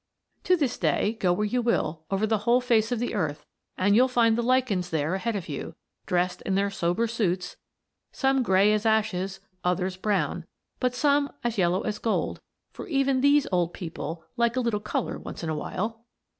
To this day, go where you will, over the whole face of the earth, and you'll find the lichens there ahead of you, dressed in their sober suits, some gray as ashes, others brown, but some are as yellow as gold; for even these old people like a little color once in a while.